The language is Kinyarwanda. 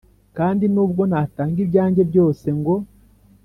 Kandi nubwo natanga ibyange byose ngo